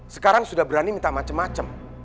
sekarang sudah berani minta macem macem